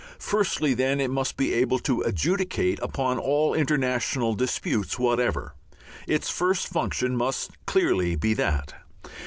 Firstly, then, it must be able to adjudicate upon all international disputes whatever. Its first function must clearly be that.